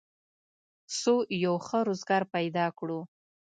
څو یو ښه روزګار پیدا کړو